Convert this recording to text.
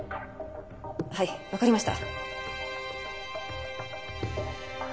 はいわかりました。